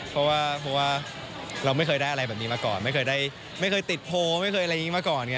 เพราะว่าเราไม่เคยได้อะไรแบบนี้มาก่อนไม่เคยได้ไม่เคยติดโพลไม่เคยอะไรอย่างนี้มาก่อนไง